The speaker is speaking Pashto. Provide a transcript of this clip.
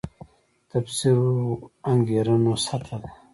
تفسیرو انګېرنو سطح دی.